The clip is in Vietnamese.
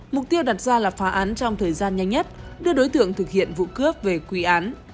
mục tiêu đặt ra là phá án trong thời gian nhanh nhất đưa đối tượng thực hiện vụ cướp về quy án